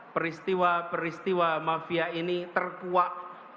peristiwa peristiwa mafia ini terkuak